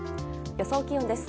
予想気温です。